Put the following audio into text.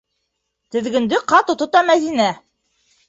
Теҙгенде ҡаты тота Мәҙинә.